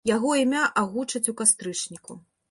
Яго імя агучаць у кастрычніку.